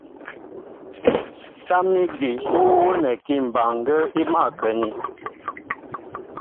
Tâm ígi ú wónɛkí mbaŋgə́ə́ í kwɛ́nī.